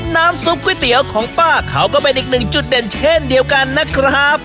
น้ำซุปก๋วยเตี๋ยวของป้าเขาก็เป็นอีกหนึ่งจุดเด่นเช่นเดียวกันนะครับ